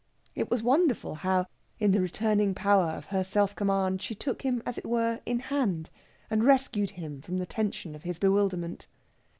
It was wonderful how, in the returning power of her self command, she took him, as it were, in hand, and rescued him from the tension of his bewilderment.